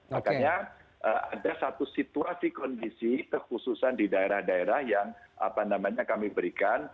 makanya ada satu situasi kondisi khususan di daerah daerah yang apa namanya kami berikan